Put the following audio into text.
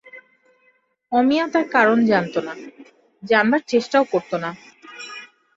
অমিয়া তার কারণ জানত না, জানবার চেষ্টাও করত না।